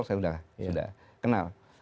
saya sudah kenal